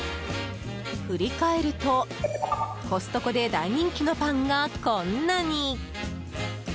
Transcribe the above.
振り返ると、コストコで大人気のパンがこんなに！